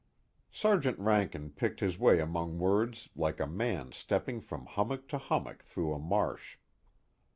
_ Sergeant Rankin picked his way among words like a man stepping from hummock to hummock through a marsh.